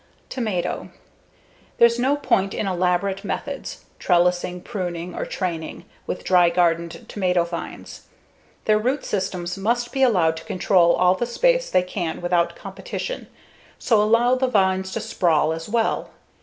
Tomato There's no point in elaborate methods trellising, pruning, or training with dry gardened tomato vines. Their root systems must be allowed to control all the space they can without competition, so allow the vines to sprawl as well.